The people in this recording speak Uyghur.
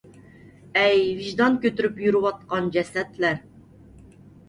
ئەي ۋىجدان كۆتۈرۈپ يۈرۈۋاتقان جەسەتلەر!!!